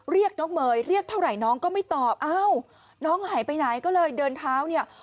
เรียกน้องเมย์เรียกเท่าไหร่น้องก็ไม่ตอบอ้าวน้องหายไปไหนก็เลยเดินเท้าเนี่ย